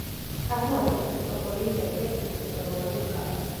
წარმოადგენს მეტროპოლიის ერთ-ერთ უმნიშვნელოვანეს ქალაქს.